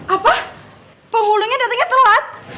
apa penghulunya datangnya telat